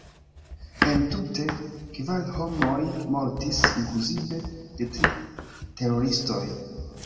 Entute, kvar homoj mortis, inkluzive de tri teroristoj.